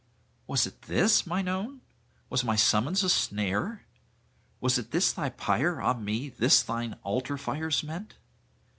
'Was it this, mine own? Was my summons a snare? Was it this thy pyre, ah me, this thine altar fires meant?